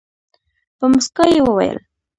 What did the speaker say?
په موسکا یې وویل.